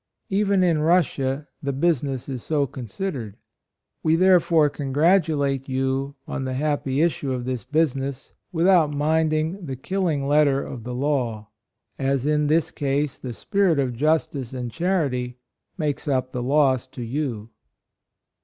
Even in Russia the business is so considered. We, therefore, congratulate you on the happy issue of this business, with out minding the killing letter of the law ; as in this case the spirit of justice and charity makes up the loss to you."